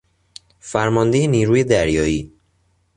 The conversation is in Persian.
فرماندهی نیروی دریایی